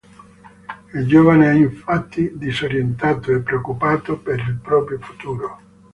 Il giovane è infatti disorientato e preoccupato per il proprio futuro.